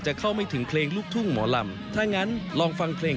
เข้าไม่ถึงเพลงลูกทุ่งหมอลำถ้างั้นลองฟังเพลง